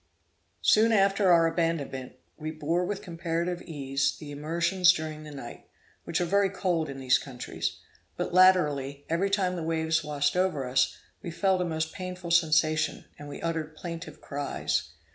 Soon after our abandonment, we bore with comparative ease the immersions during the nights, which are very cold in these countries; but latterly, every time the waves washed over us, we felt a most painful sensation, and we uttered plaintive cries.